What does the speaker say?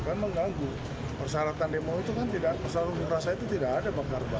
kan mengganggu persyaratan demo itu kan tidak persyaratan unjuk rasa itu tidak ada bakar bakar